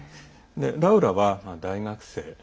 ラウラは大学生。